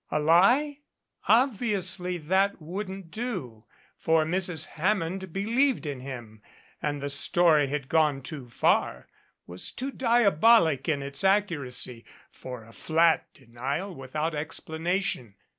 A lie? Obviously that wouldn't do, for Mrs. Hammond be lieved in him. And the story had gone too far, was too diabolic in its accuracy, for a flat denial without expla nation.